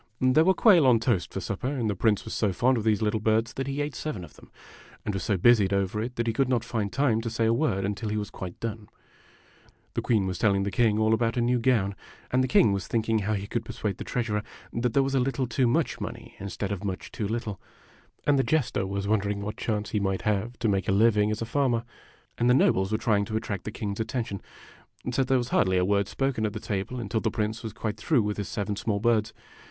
There were quail on^toast for supper, and the Prince was so fond of these little birds that he ate seven of them, and was so busied over it that he could not find time to say a word until he was quite done. The Oueen was telling the Kinef all about a new ^own ; and w j *j ^5 the King was thinking how he could persuade the treasurer that there was a little too much money instead of much too little ; and the Jester was wondering what chance he might have to make a liv ing as a farmer ; and the nobles were trying to attract the King's attention ; so there was hardly a word spoken at the table until the Prince was quite through with his seven small birds.